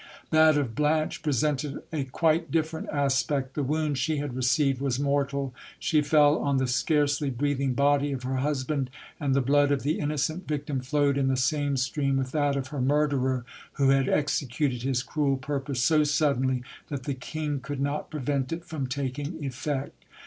That of Blanche presented a quite different aspect. The wound she had received was mortal. She fell on the scarcely breathing body of her hus band : and the blood of the innocent victim flowed in the same stream with that of her murderer, who had executed his cruel purpose so suddenly, that the king could not prevent it from taking effect.